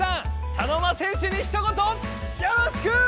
茶の間戦士にひと言よろしく！